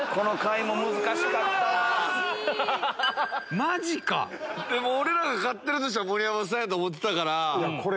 マジか⁉俺らが勝ってるとしたら盛山さんやと思ってたから。